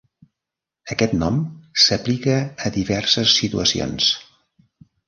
Aquest nom s’aplica a diverses situacions.